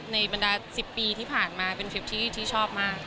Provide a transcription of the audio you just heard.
บรรดา๑๐ปีที่ผ่านมาเป็นทริปที่ชอบมาก